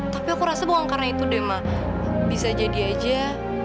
tapi aku rasa bukan karena itu deh ma bisa jadi aja